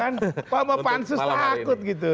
pak mau pansus takut gitu